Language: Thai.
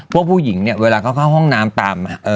พวกผู้หญิงเนี่ยเวลาเขาเข้าห้องน้ำตาม